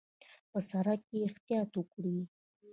په سړک کې احتیاط وکړئ